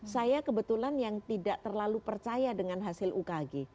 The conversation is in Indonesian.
saya kebetulan yang tidak terlalu percaya dengan hasil ukg